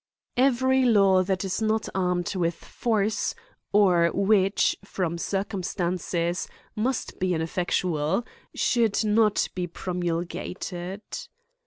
Every law that is not armed with force, or which, from circumstances, must be ineffectual, should not be promulgated.